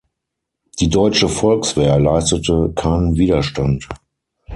Die deutsche Volkswehr leistete keinen Widerstand.